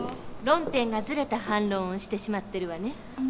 論点がずれた反論をしてしまってるわね。